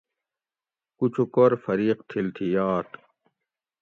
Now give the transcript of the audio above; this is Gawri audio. کُچکور فریق تھِل تھی یاۤت